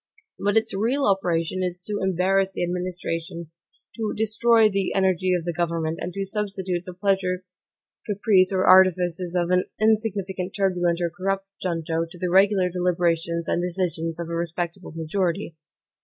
But its real operation is to embarrass the administration, to destroy the energy of the government, and to substitute the pleasure, caprice, or artifices of an insignificant, turbulent, or corrupt junto, to the regular deliberations and decisions of a respectable majority.